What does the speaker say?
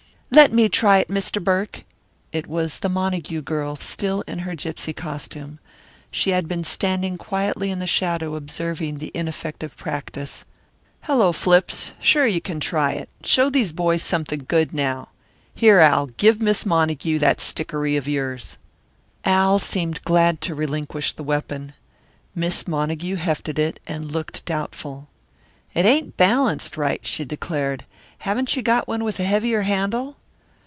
"Let me try it, Mr. Burke." It was the Montague girl still in her gipsy costume. She had been standing quietly in the shadow observing the ineffective practice. "Hello, Flips! Sure, you can try it. Show these boys something good, now. Here, Al, give Miss Montague that stickeree of yours." Al seemed glad to relinquish the weapon. Miss Montague hefted it, and looked doubtful. "It ain't balanced right," she declared. "Haven't you got one with a heavier handle?"